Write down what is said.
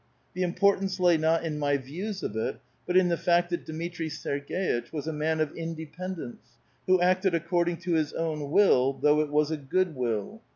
The importance lay not in my views of it, but in the fact that Dmitri Serg^itch was a man of independence, who acted according to his own will, though it was a good will.